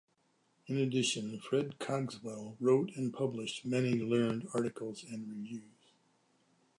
In addition, Fred Cogswell wrote and published many learned articles and reviews.